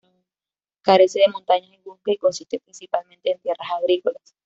Carece de montañas y bosques, y consiste principalmente en tierras agrícolas.